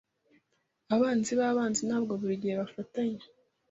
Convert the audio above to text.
Abanzi b'abanzi ntabwo buri gihe bafatanya.